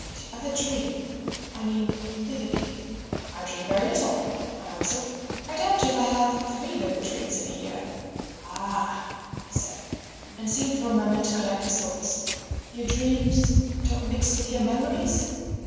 "Do you ever dream? I mean vividly." "I dream very little," I answered. "I doubt if I have three vivid dreams in a year." "Ah!" he said, and seemed for a moment to collect his thoughts. "Your dreams don't mix with your memories?"